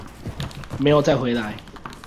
沒有再回來